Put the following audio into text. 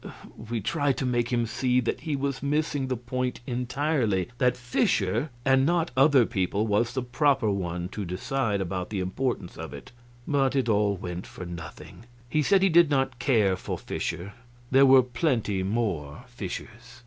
We tried to make him see that he was missing the point entirely; that Fischer, and not other people, was the proper one to decide about the importance of it; but it all went for nothing; he said he did not care for Fischer there were plenty more Fischers.